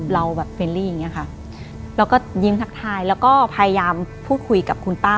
เลาแบบรักแล้วก็ยิ้มทักทายแล้วก็พยายามพูดคุยกับคุณป้า